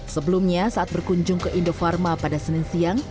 sebelumnya saat berkunjung ke indofarma pada senin siang